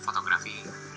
saya suka fotografi